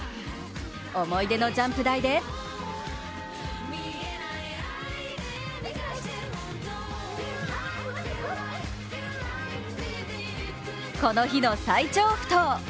思い出のジャンプ台でこの日の最長不倒。